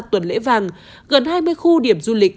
tuần lễ vàng gần hai mươi khu điểm du lịch